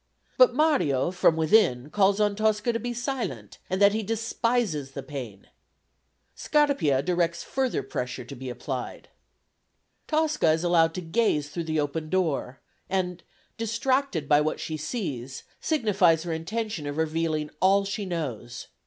But Mario from within calls on Tosca to be silent, and that he despises the pain. Scarpia directs further pressure to be applied. Tosca is allowed to gaze through the open door, and, distracted by what she sees, signifies her intention of revealing all she knows.